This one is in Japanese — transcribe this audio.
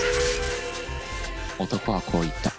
男はこう言った。